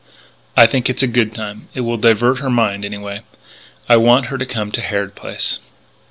"I think it's a good time. It will divert her mind, anyway. I want her to come to Harrod Place."